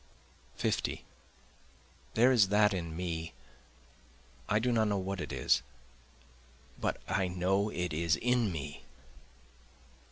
50 There is that in me I do not know what it is but I know it is in me.